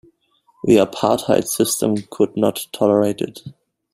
The apartheid system could not tolerate it.